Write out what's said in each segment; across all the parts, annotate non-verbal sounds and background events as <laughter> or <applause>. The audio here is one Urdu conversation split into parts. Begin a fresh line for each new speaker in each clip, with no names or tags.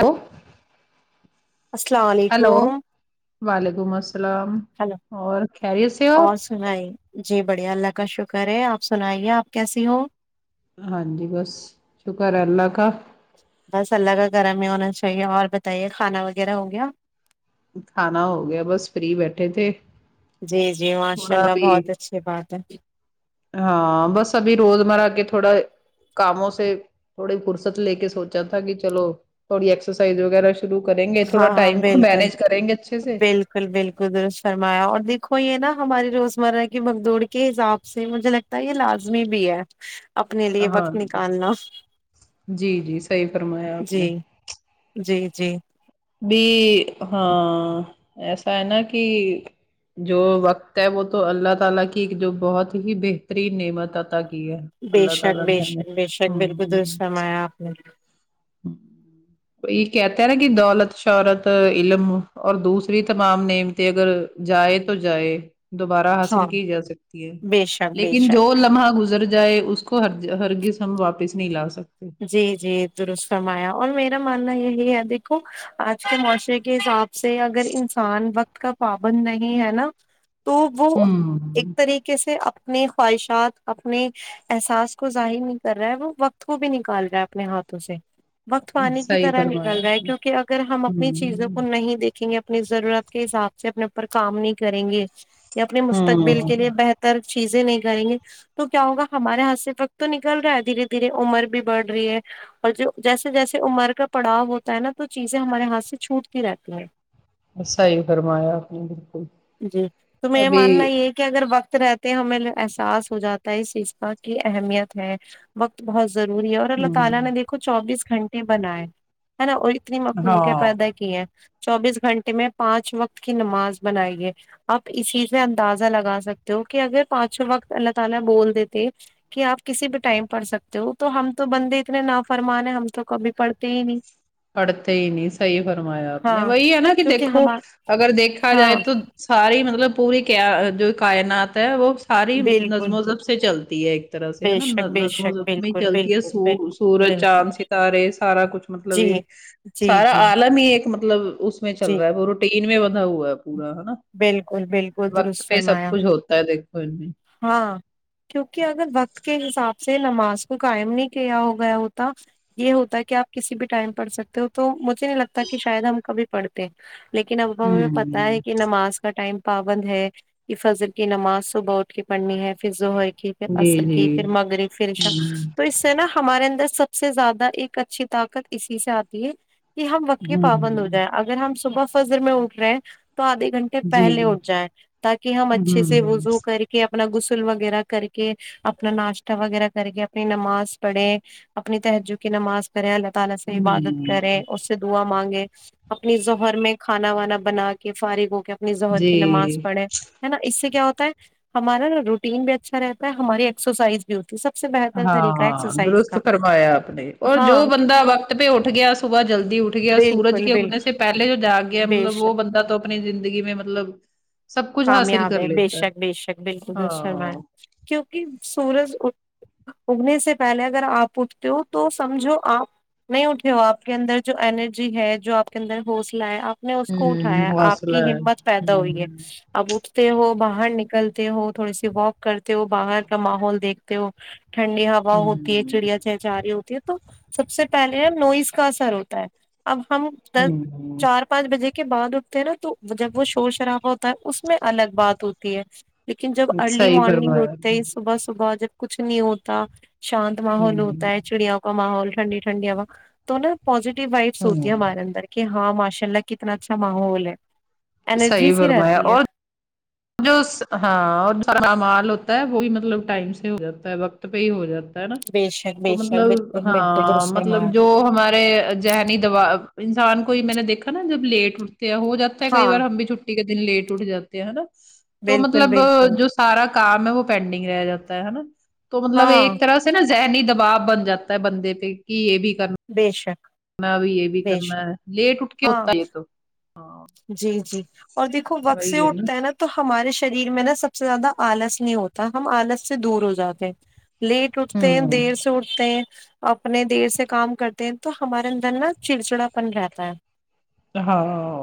ہیلو
ا سلام علیکم
وعلیکم السلام
ہیلو
اور خیریت سے ہو
اور
آپ
سنائی جی بڑھیا اللہ کا شکر ہے آپ سنائیے آپ کیسی ہو
ہاں جی بس شکر ہے اللہ کا
بس اللہ کا کرم میں ہونا چاہیے اور بتائیے کھانا وغیرہ ہو گیا
کھانا ہو گیا بس فری بیٹھے تھے
جی جی ماشاء
تھوڑا
اللہ
ابھی
بہت اچھی بات ہے
ہاں بس ابھی روز مرہ کے تھوڑا کاموں سے تھوڑی فرصت لے کے سوچا تھا کہ چلو تھوڑی ایکسرسائز وغیرہ شروع کریں گے
ہاں
تھوڑا
ہاں
ٹائم کو
بالکل
مینج کریں گے اچھے سے
بالکل بالکل در ست فرمایا اور دیکھو یہ نا ہماری روزمرہ کی باگھ دوڑھ کے حساب سے مجھے لگ یہ لازمی بھی ہے اپنے لیے
ہاں
وقت
جی
نکالنا
جی جی صحیح فرمایا آپ نے
جی جی جی
بھی ہاں ایسا ہے نا کہ جو وقت ہے وہ تو اللہ تعالی کی ایک جو بہت ہی بہترین نعمت عطا کی ہے
بے
اللہ
شک
تعالی
بے
نے ہمیں
شک بے شک بالکل در ست
ہمم
فرمایا آپ نے
<inaudible> یہ کہتا ہے نا کہ دولت شہرت علم اور دوسری تمام نعمتیں اگر جائے تو جائے دوبارہ حاصل
ہاں
کی جا سکتی ہے
بے شک بے
لیکن
شک
جو لمحہ گزر جائے اس کو ہر ہرگز ہم واپس نہیں لا سکتے
جی جی درست فرمایا اور میرا ماننا یہی ہے دیکھو آج کے معاشرے کے حساب سے اگر انسان وقت کا پابند نہیں ہے نا تو وہ ایک
ہمم
طریقے کے سے اپنی خواہشات اپنے احساس کو ظاہر نہیں کر رہا ہے وہ وقت کو بھی نکال رہا ہے اپنے ہاتھوں سے وقت پانی کی
صحیح
طرح
فرمایا
نکل رہا ہے
آپ نے
کیوں کے اگر ہم اپنی چیزوں کو
ہمم
نہیں دیکھ گیں گے اپنی ضرورت کے حساب سے اپنے اوپر کام نہیں کریں گے یا اپنے مستقبل کے لیے
ہمم
بہتر ر چیزیں نہیں کریں گے تو کیا ہوگا ہمارے ہاتھ سے وقت تو نکل رہا ہے دھیرے دھیرے عمر بھی بڑھ رہی ہے اور جو جیسے جیسے عمر کا پڑاؤ ہوتا ہے نا تو چیزیں ہمارے ہاتھ سے چھوٹتی رہتی ہیں
صحیح فرمایا آپ نے بالکل
جی تو میرا
ابھی
ماننا یہ ہے کہ اگر وقت رہتے ہمیں احساس ہو جاتا ہے اس چیز کا کی اہمیت ہے وقت بہت ضروری ہے اور اللہ
ہوں
تعا لی نے دیکھو چوبیس گھنٹے بنائے ہے نہ اتنی مخلوق
ہاں
پیدا کی ہیں چوبیس گھنٹے میں پانچ وقت کی نماز بنائی ہے آپ اسی سے سے اندازہ لگا سکتے ہو کہ اگر پانچوں وقت اللہ تعالی بول دیتے کہ آپ کسی بھی ٹائم پڑھ سکتے جو تو ہم تو بندے اتنے نہ فرمانے ہم تو کبھی پڑھتے ہی نہیں
پڑتے ہی نہیں صحیح فرمایا آپ نے
ہاں
وہی ہے نا کی
کیونکہ
دیکھو
ہم
اگر دیکھا
ہاں
جائے تو ساری مطلب پوری جو کائنات ہے وہ ساری
بالکل
نظم و ضبط سے چلتی ہے ایک طرح سے ہے
بے
نا
شک بے
نظم و
شک
ضبط میں
بالکل
چلتی ہے
بالکل
سوس
بالکل
سورج
بالکل
چاند ستارے سارا کچھ مطلب
جی
یے
جی
سارا
جی
عالم ہی ایک مطلب اس میں چل
جی
رہا ہے وہ روٹین میں بندھا ہوا ہے پورا ہے نا
بالکل بالکل
وقت
درست
پے سب
فرمایا
کچھ ہوتا ہے دیکھو ان میں
ہاں کیونکہ اگر وقت کے حساب سے نماز کو قائم نہیں کیا ہو گیا ہوتا یے ہوتا ہے کی آپ کسی بھی ٹائم پڑ سکتے ہو تو مجھے نہیں لگتا کی شاید ہم کبھی پڑتے لیکن اب ہمیں پت
ہوں
نماز کا ٹائم پابند ہے یے فجر کی نماز ظہر اٹھ کے پڑھنی ہے پھر زوہر کی پھر
جی
اسر کے
جی
پھر مغرب پھر عشاء
ہوں
تو نا ہمارے اندر سب سے زیادہ ایک اچھی طاقت اسی سے آتی ہے کی ہم وکی پابند ہو
ہوں
جائے اگر ہم صبح فجر میں اٹھ رہے ہیں تو آدھے گھنٹے
جی
پہلے اٹھ جائیں تاکی ہم اچھے
ہوں
سے وزو کر کہ اپنا غسل وغیرہ کر کے اپنا ناشتہ وغیرہ کر کے اپنی نماز پڑھے اپنی تہجد کی نماز کرے اللہ تعالی سے عبادت
ہوں
کرے اس سے دعا مانگے اپنی زوہر میں کھانا وانا بنا کے فارغ ہو کے اپنی ظہر
جی
کی نماز پڑھے نا اس سے کیا ہوتا ہے ہمارا نا روٹین بھی اچھا رہتا ہے ہماری ایکسرسائز بھی ہوتی ہے سب سے بہتر
ہاں
طریقہ ہے
ہاں
ایکسرسائز
درست
کا
فرمایا آپ نے اور جو
ہاں
بند
کیوں-
وقت پے اٹھ گیا صبح جلدی اٹھ گیا سورج
بالکل
کے اگنے
بالکل
سے پہلے جو جاگ گیا
بے
مطلب وہ
شک
بندہ تو اپنی زندگی میں مطلب سب کچھ حاصل
کامیاب
کر
ہے
لیتا
بےشک بےشک بالکل درست
ہاں
فرماے
ہوں
کیونکی سورج اگنے سے پہلے اگر آپ اٹھتے ہو تو سمجھو آپ نہیں اٹھے ہو آپ کے اندر جو اینرجی ہے جو آپ کے اندر حوصلہ ہے آپ نے اس کو اٹھایا آپ
حوصلہ
کی
ہے
ہمت پیدا
ہوں
ہوئی ہے اب اٹھتے ہو باہر نکلتے ہو تھوڑی سی واک کرتے ہو باہر کا ماحول دیکھتے ہو ٹنڈی ہوا ہوتی ہے
ہوں
چڑیا چے چہاری ہوتی ہے تو سب سے پہلے نوائز کا اثر ہوتا ہے اب ہم
ہوں
چار پانچ بجے کے بعد اٹھتے ہیں نا تو جب وہ شور شرابہ ہوتا ہے اس الگ بات ہوتی ہے لیکن جب ارلی
صحیح
مارننگ
فرمایا
اٹھتے ہی
ہوں
صبح صبح جب کچھ نہیں ہوتا شانت ماحول ہوتا ہے چڑیا محول ٹنڈی ٹنڈی ہؤا تو نا پزیٹیو وائبس ہوتی
ہوں
ہے ہمارے اندر کہ ہاں ماشاء اللہ کتنا اچھا ماحول ہے انرجی سی رہتی ہے
بس ہاں سرا مال ہوتا ہے وہ بھی مطلب ٹائم سے ہو جاتا ہے وقت پے ہی ہو جاتا تا ہے نا
بے شک
تو
بے شک
مطلب
بالکل بالکل
ہاں
درست
مطلب
فرمایا
جو ہمارے ذہنی دوا انسان کو میں نے دیکھا نا جب لیٹ اٹھتے ہے ہو جاتا ہے کئی بار
ہاں
ہم بھی چھٹ ٹی کے دن لیٹ اٹھ جاتے ہے نا تو
بالکل
مطلب
بالکل
جو سارا کام ہے وہ پینڈنگ رہ جاتا ہے ہے نا تو مطلب
ہاں
ایک طرح سے نا ذہنی دباؤ بن جا تا ہے بندے پہ کہ یہ بھی کرنا
بے شک
میں ابھی یہ بھی
بے
کرنا
شک
ہے لیٹ اٹھ کے
ہاں
ہوتا ہے یہ تو ہاں
جی جی اور دیکھو وقت سے اٹھتا ہے نا تو تو ہمارے شریر میں نا سب سے زیادہ آلس نہیں ہوتا ہم آلس سے دور ہو جاتے ہیں لیٹ اٹتے ہیں
ہوں
دیر سے اٹھ ہیں اپنے دیر سے کام کرتے ہیں تو ہمارے اندر نا چڑچڑا پن رہتا ہے
ہاو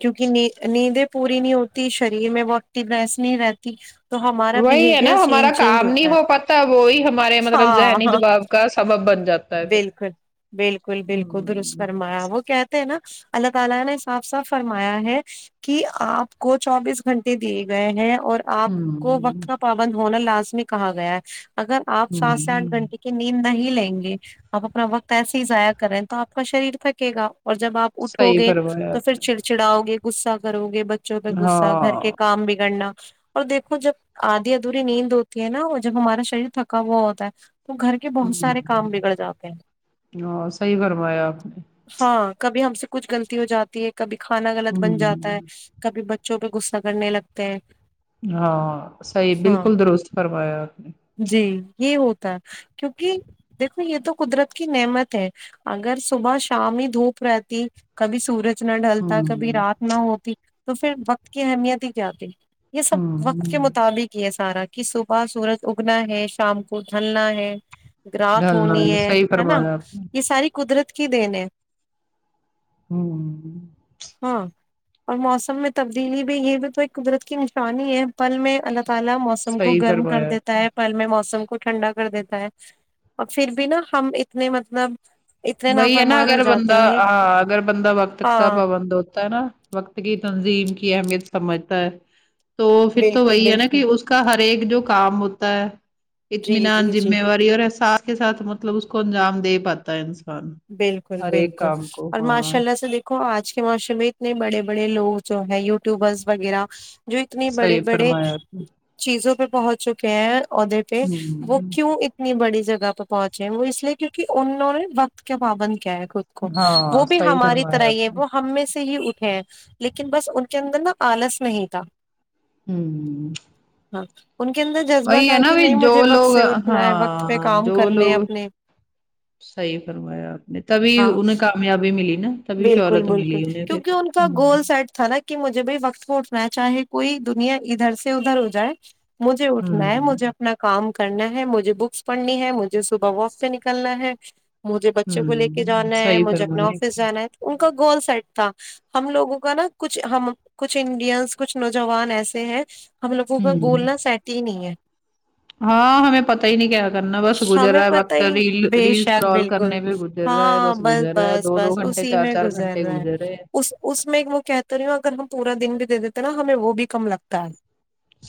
کیونکہ نیندیں پوری نہیں ہوتی شریر میں وہٹینیس نہیں رہتی تو ہمارا
وہی ہے نا
بہیویئر
ہمارا
چینج چینج
کام نہیں
ہوتا ہے
ہو پاتا وہی ہمارے مطلب
ہاں
ذہنی
ہاں
دباو کا سبب بن جاتا ہے پھر
بالکل بالکل بالکل درست
ہوں
فرمایا وہ کہتے ہیں نا اللہ تعالی نے آپ سا فرمایا ہے کہ آپ کو چوبیس گھنٹے دیے گئے ہیں اور آپ کو وقت
ہوں
کا پابند ہونا لازمی کہا گیا ہے اگر آپ سات سے آٹھ
ہوں
گھنٹے کے کہ نیند نہی لیں گے آپ اپنا وقت ایسے ہی ضائع کر رہے ہیں تو آپ کا شریر تھکے گا اور جب آپ اٹھو
صحیح
گے
فرمایا
تو
آپ
پھر چڑچڑاؤ گے غصہ کرو گے بچوں پہ
نے
غصہ گھر
ہاں
کے کام بگڑنا اور دیکھو جب آدھی ادھوری نیند ہوتی ہے نا وہ جب ہمارا شریر تھکا ہوا ہوتا ہے تو گھر کے بہت
ہوں
سارے کام بگڑ جاتے ہیں
ہاں صحیح فرمایا آپ نے
ہاں کبھی ہم سے کچھ غلطی ہو جاتی ہے کبھی کھانا غلط بن جاتا ہے
ہوں
کبھی بچوں پہ غصہ کرنے لگتے ہیں
ہاں صحیح
ہاں
بالکل درست فرمایا
جی یہ ہوتا کیونکی دیکھو یہ تو قدرت کی نعمت ہے اگر صبح شام ہی دھوپ رہتی کبھی سورج نہ ڈھلتا کبھی
ہوں
رات نہ ہوتی تو پھر وقت کی اہمیت ہی کیا تھی یہ سب وقت کے
ہوں
مطابق ہی ہے سارا کہ صبح سورج اگنا ہے شام کو جلنا ہے رات
ڈھلنا
ہونی ہے
صحیح
ہے نا
فرمایا آپ نے
یہ ساری قدرت کی دین ہے
امم
ہاں اور موسم میں تبدیلی بھی یہ بھی تو ایک قدرت کی نشانی ہے پل میں الگ کالا موسم کو
صحیح
گرم کر
فرمایا آپ نے۔
دیتا ہے پل میں موسم کو ٹھنڈا کر دیتا ہے اور پھر بھی نا ہم اتنے مطلب اتنے
وہی ہے نا
نافرمان ہو
اگر
جاتے
بندہ
ہیں
ہاں اگر بندہ وقت کا
ہاں
پابند ہوتا ہے نا وقت کی تنظیم کی اہمیت سمجھتا ہے تو پھر تو
بالکل
وہی ہے نا
بالکل
کہ اس کا ہر ایک جو کام ہوتا ہے
جی
اطمینان
جی جی
جمے واری دیرے ساتھ ہی ساتھ مطلب اس کو انجام دے پاتا ہے انسان
بالکل
ہر ایک
بالکل
کام کو
اور
ہاں
ماشاء اللہ سے دیکھ آج کے معاشر میں اتنے بڑے بڑے لوگ جو ہے یوٹیوبرس وغیرہ جو اتنے بڑے
صحیح
بڑے
فرمایا آپ نے
چیزوں پہ پہنچ چکے ہیں اور دیتے وہ
ہوں
کیوں اتنے اتنی بڑی جگہ پہ پہنچے ہیں وہ اس لیے کیونکہ انہوں نے وقت کا پابند کیا ہے خود کو وہ
ہاں
بھی
صحیح
ہماری
فرمایا
طرح ہی
آپ
ہے
نے
وہ ہم میں سے ہی اٹھے ہیں لیکن بس ان کے اندر نا آلس نہیں تھا
امم
واہ ان کے اندر جذبات
وہی ہے نا
آکے
بھی
نہیں
جو
مجھے وقت
لوگ
سے اٹھنا ہے وقت پہ
ہاں
کام
جو
کرنے
لوگ
اپنے
صحیح فرمایا اپ نے تبھی
ہاں
ان ہیں کامیابی ملی نا تبھی
بالکل
شہرت
بالکل
ملی انہیں
کیو
پھر
کہ ان کا
ہوں
گول سیٹ تھا نا کہ مجھے بھی وقت پٹنا ہے چاہے کوئی دنیا ادھر سے ودھر ہو جائے مجھے اٹھنا ہے
ہوں
مجھے اپنا کام کرنا ہے مجھے بکس پڑھنی ہے مجھے صبح واف پے نکلنا ہے مجھے بچوں کو لے کے
ہوں
جانا ہے
صحیح
مجھے اپنا
فرمایا
افس
آپ نے
جانا ہے تو ان کا گول سیٹ تھا ہم لوگوں کا نا کچھ ہم کچھ انڈینس کچھ نوجوان ایسے ہیں ہم لوگوں کا گول
ہوں
نہ سیٹ ہی نہیں ہے
ہاں ہمیں پتا ہی نہیں کیا کرنا بس
ہمیں
گزرا ہے
پتہ
وقت
ہی
ریل
بے
ریلس
شک
کرول کر
بالکل
نے میں
ہاں بس بس بس اسی
چار
میں
چار
گزر
گھنٹے
رہا ہے
رہے ہیں
اس اس میں وہ کہتا رہی ہوں اگر ہم پورا دن بھی دے دیتے ہیں نا ہمیں وہ بھی کم لگتا ہے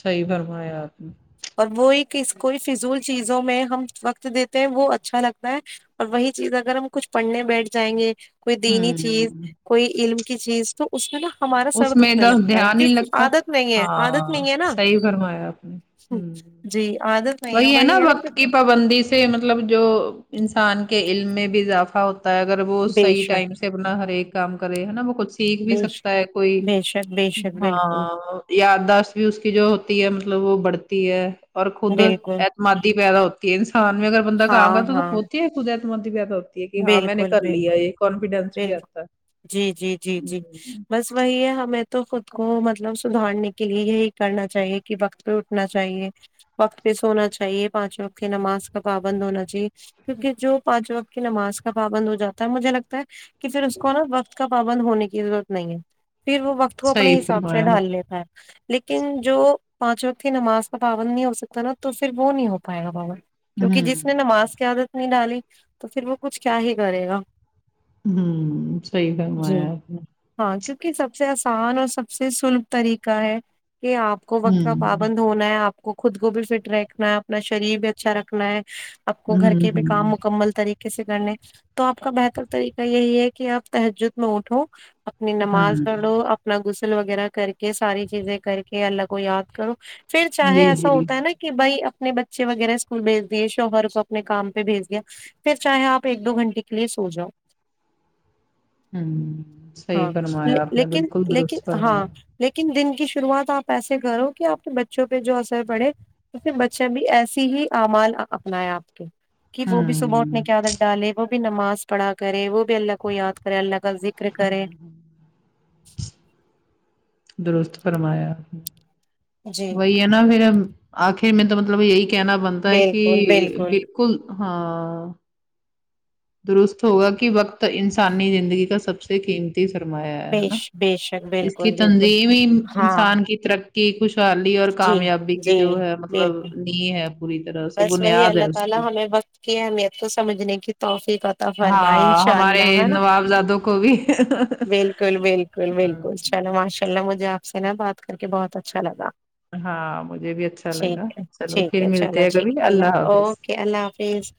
صحیح فرمایا اپ نے
اور وہی کس کوئی فضول چیزوں میں ہم وقت دیتے ہیں وہ اچھا لگتا ہے اور وہی چیز اگر ہم کچھ پڑھنے بیٹھ جائیں گے کوئی دینی چیز
ہوں
کوئی علم کی چیز تو اس میں نا ہمارا سر
اس میں
دکھنے
تو
لگتا ہے
دھیان
کی
ہی نہیں لگتا
عادت نہیں عادت
ہاں
نہیں ہے نا
صحیح فرمایا آپ نے ہوں
جی عادت
وہی ہے نا وقت کی پابندی سے مطلب جو انسان کے علم میں بھی اضافہ ہو ہو تا ہے اگر وہ
بے
صحیح
شک
ٹائم سے اپنا ہر ایک کام کرے ہے نا وہ کچھ سیکھ بھی
بے شک
سکتا ہے کوئی
بے شک بے شک
ہا ہا
بالکل
یادداش بھی اس کی جو ہوتی ہے مطلب وہ بڑھتی ہے اور خود
بالکل
اعتمادی پیدا ہوتی ہے انسان میں اگر بندہ کام
ہاں
کرتا تو
ہاں
ہوتی ہے خود اعتمادی پیدا ہوتی کہ ہاں میں نے
بالکل بالکل
کر لیا
بالکل
یہ کانفیڈینس بھی اتا ہے
جی، جی، جی، جی۔ بس وہی ہے ہمیں تو خود کو مطلب سدھارنے کے لیے یہی کرنا چاہیے کہ وقت پہ اٹھنا چاہیے وقت پہ سونا چاہیے پانچ وقت نماز کا پابند ہونا چاہیے کیونکہ جو پانچ وقت کی نماز کا پابند ہوجاتا ہے مجھے لگتا ہے کہ پھر اس کو نا وقت کا پابند ہونے کی ضرورت نہیں ہے پھر وہ وقت کو
صحیح
اپنے حساب سے
فرمایا
ڈھال
آپ
لیتا ہے لیکن جو پانچ وقت کی نماز کا پابند نہیں ہو سکتا نا تو پھر وہ نہیں ہوپائے گا پابند کیونکہ جس نے
ہمم
نماز کی عادت نہیں ڈالی تو پھر وہ کچھ کیا ہی کرے گا
ہاں صحیح
جی۔
فرمایا ہے آپ نے
ہاں کیونکہ سب سے آسان اور سب سے سلب طریقہ ہے کہ آپ کو وقت کہ پابند
ہمم
بند ہونا ہے آپ کو خود کو بھی فٹ رکھنا ہے اپنا شریر بھی اچھا رکھنا ہے آپ کو گھر
ہمم
کے بھی کام
ہمم
مکمل کسے کرنے تو آپ کا بہتر طریقہ یہی ہے کہ آپ تہجد میں اٹھو اپنی نماز پڑھ
ہمم
لو اپ اپنا غسل وغیرہ کر کے ساری چیزیں کر کے اللہ کو یاد کرو پھر
جی
چاہے ایسا
جی
ہوتا ہے نا کہ بھائی اپنے بچے وغیرہ اسکول بھیج دیے شوہر کو اپنے کام پہ بھیج دیا پھر چاہے آپ ایک دو گھنٹے کے لیے سو جاؤ
ہوں صحیح
ہاں
فرمایا آپ نے
لیکن
بالکل
لیکن
درست فرمایا
ہاں لیکن دن کی شروعات آپ ایسے کرو کہ آپ کے بچوں پہ جو اثر پڑے تو پھر بچے بھی ایسے ہی اعمال اپنائے آپ کہ وہ بھی صبح
ہوں
اٹھنے کی عادت ڈالے وہ بھی نماز پڑھا کرے وہ بھی اللہ کو یاد کرے اللہ کا ذکر کرے
درست فرمایا آپ نے
جی
وہی ہے نا میرا مط آخر میں تو مطلب یہی کہنا بنتا ہے
بالکل
کہ
بالکل
کل ہاں درست ہوگا کہ وقت انسانی زندگی کا سب سے قیم صحیح فرمایا ہے ہے نا
بیش بے شک
اس کی
بالکل بالکل
تنظیم ہی
ہاں
انسان کی ترقی خوشحالی اور
جی
کامیابی کی
جی
جو ہے مطلب
بالکل
نی ہے پوری طرح سے
بس وہی
بنیاد
اللہ
ہے اس
تعالی
کی
ہمیں وقت کی اہمیت کو سمجھنے کی توفیق عطا فرمائے
ہاں ہمارے
انشاءاللہ ہے نا
نوابزادوں کو بھی
بالکل بالکل بالکل
ہاں
چلو ماشاءاللہ مجھے آپ سے نا بات کر کے بہت اچھا لگا
ہاں مجھے بھی اچھا لگا
ٹھیک ہے
چلو
ٹھیک
پھر
ہے چلو
ملتے ہیں
ٹھیک
کبھی اللہ حافظ
اوکے اللہ حافظ